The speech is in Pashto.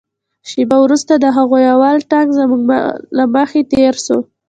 شېبه وروسته د هغوى اول ټانک زما له مخې تېر سو.